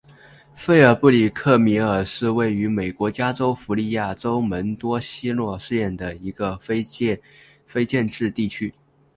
菲尔布里克米尔是位于美国加利福尼亚州门多西诺县的一个非建制地区。